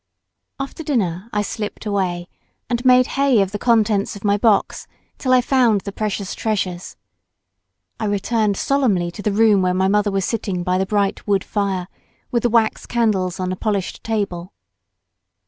After dinner I slipped away and made hay of the contents of my box till I found the precious treasures. I returned solemnly to the room where my mother was sitting by the bright wood fire, with the wax candles on the polished table.